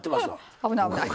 危ない危ない。